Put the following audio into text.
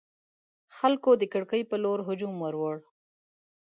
خلکو د کړکۍ پر لور هجوم وروړ.